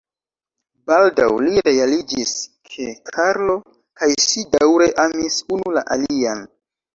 Baldaŭ li realiĝis ke Karlo kaj ŝi daŭre amis unu la alian.